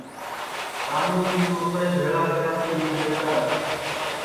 راموں مِسکُو اپٹؔے بھیݪا کراچی لی جائیرا ہے